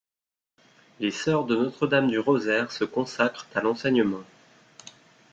Les sœurs de Notre Dame du Rosaire se consacrent à l'enseignement.